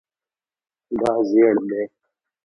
دا زیړ دی